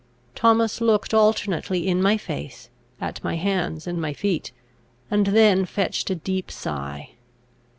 Thomas looked alternately in my face, at my hands, and my feet; and then fetched a deep sigh.